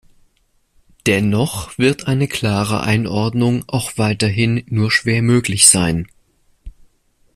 Dennoch wird eine klare Einordnung auch weiterhin nur schwer möglich sein.